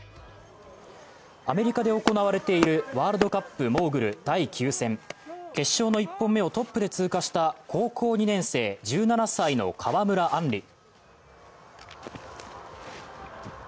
アメリカで行われているワールドカップモーグル第９戦決勝の１本目をトップで通過した高校２年生、１７歳の川村あん